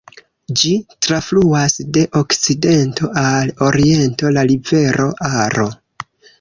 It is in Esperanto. Ĝi trafluas de okcidento al oriento la rivero Aro.